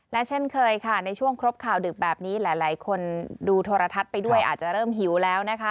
และเช่นเคยค่ะในช่วงครบข่าวดึกแบบนี้หลายคนดูโทรทัศน์ไปด้วยอาจจะเริ่มหิวแล้วนะคะ